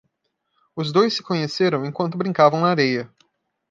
Os dois se conheceram enquanto brincavam na areia.